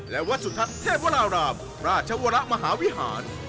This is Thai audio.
และวัดสุทัตวรรามร์ราชวรมหาวิหาร